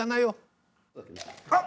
あっ。